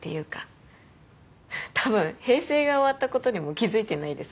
フフたぶん平成が終わったことにも気付いてないです